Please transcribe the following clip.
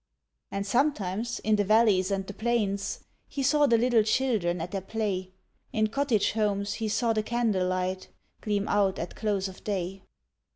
And sometimes in the valleys and the plains He saw the little children at their play; In cottage homes he saw the candle light Gleam out at close of day.